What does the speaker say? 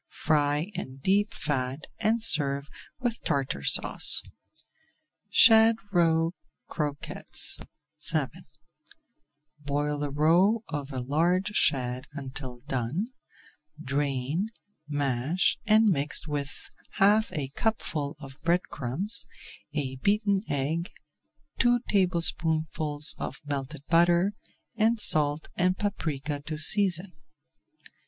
Fry in deep fat and serve with Tartar Sauce. SHAD ROE CROQUETTES VII Boil the roe of a large shad until done, drain, mash, and mix with half a cupful of bread crumbs, a beaten egg, two tablespoonfuls of melted butter, and salt and paprika to season.